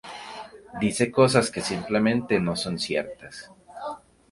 Dice cosas que simplemente no son ciertas.